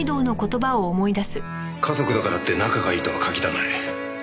家族だからって仲がいいとは限らない。